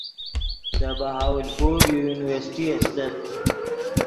دے بہاولپور یو یونیورسٹی استت